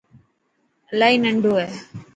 الاهي ننڊو هي.